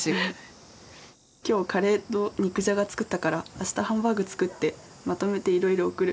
「今日カレーと肉じゃが作ったから明日ハンバーグ作ってまとめて色々送る！」。